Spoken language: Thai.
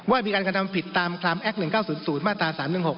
ว่ามีการกระทำผิดตามคลามแอค๑๙๐๐มาตรา๓๑๖